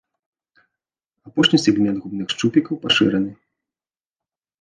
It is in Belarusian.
Апошні сегмент губных шчупікаў пашыраны.